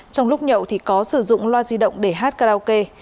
trong lúc nhậu thì có sử dụng loa di động để hát karaoke